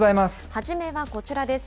初めはこちらです。